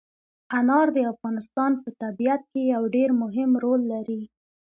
انار د افغانستان په طبیعت کې یو ډېر مهم رول لري.